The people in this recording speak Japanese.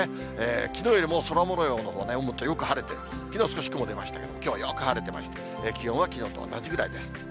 きのうよりも空もようのほうは、もっとよく晴れて、きのう雲が出ましたけれども、きょうはよく晴れてまして、気温はきのうと同じぐらいです。